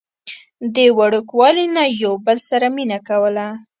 د وړوکوالي نه يو بل سره مينه کوله